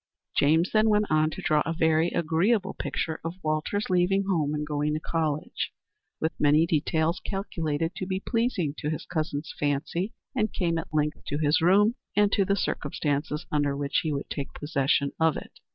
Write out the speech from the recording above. James then went on to draw a very agreeable picture of Walter's leaving home and going to college, with many details calculated to be pleasing to his cousin's fancy, and came at length to his room, and to the circumstances under which he would take possession of it.